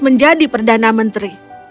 menjadi perdana menteri